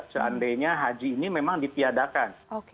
seandainya haji ini memang ditiadakan